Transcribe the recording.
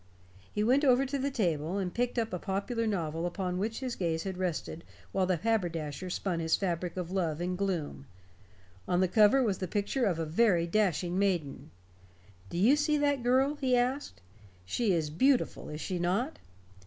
He went over to the table, and picked up a popular novel upon which his gaze had rested while the haberdasher spun his fabric of love and gloom. On the cover was a picture of a very dashing maiden. "Do you see that girl?" he asked. "She is beautiful, is she not?